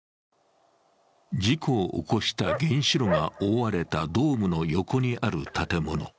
事故を起こした原子炉が覆われたドームの横にある建物。